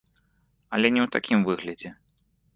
Але не ў такім выглядзе.